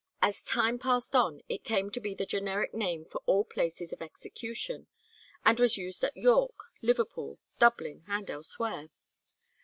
As time passed on it came to be the generic name for all places of execution, and was used at York, Liverpool, Dublin, and elsewhere.